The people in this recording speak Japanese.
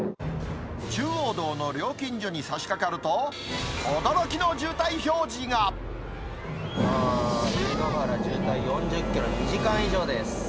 中央道の料金所にさしかかるあー、上野原まで渋滞４０キロ、２時間以上です。